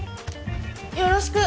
よろしく